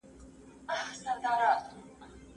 په ټول ښار کې د ښځینه معلمې صفتونه شروع شول.